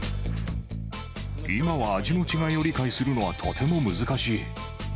今は味の違いを理解するのはとても難しい。